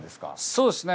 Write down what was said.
そうですね。